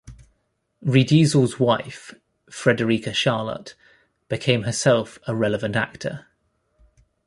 Riedesel's wife, Frederika Charlotte, became herself a relevant actor.